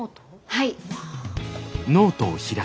はい。